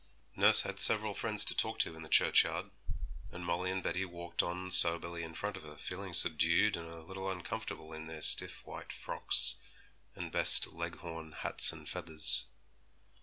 Nurse had several friends to talk to in the churchyard, and Molly and Betty walked on soberly in front of her, feeling subdued and a little uncomfortable in their stiff white frocks and best Leghorn hats and feathers.